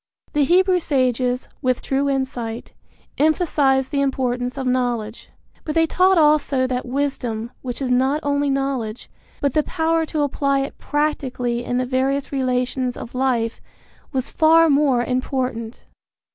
The Hebrew sages, with true insight, emphasized the importance of knowledge; but they taught also that wisdom, which is not only knowledge, but the power to apply it practically in the various relations of life, was far more important.